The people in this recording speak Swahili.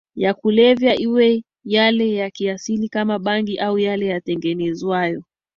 ya kulevya iwe yale ya kiasili kama bangi au yale yatengenezwayo